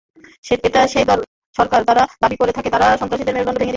এটা সেই সরকার, যারা দাবি করে থাকে, তারা সন্ত্রাসীদের মেরুদণ্ড ভেঙে দিয়েছে।